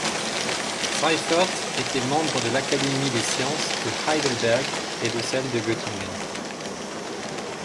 Seifert était membre de l'Académies des sciences de Heidelberg et de celle de Göttingen.